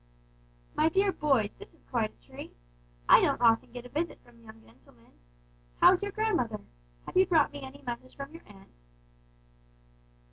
"My dear boys, this is quite a treat! I don't often get a visit from young gentlemen. How is your grandmother? Have you brought me any message from your aunt?"